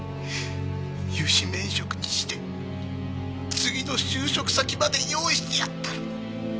諭旨免職にして次の就職先まで用意してやったのに。